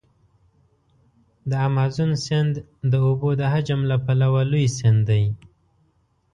د امازون سیند د اوبو د حجم له پلوه لوی سیند دی.